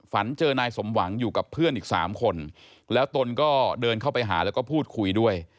ฝันเจอนายสมหวังอยู่กับเพื่อนอีก๓คนแล้วตนก็เดินเข้าไปหาแล้วก็พูดคุยด้วย